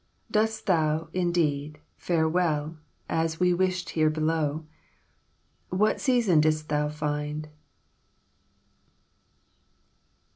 Dost thou, indeed, fare well, As we wished here below? "What season didst thou find?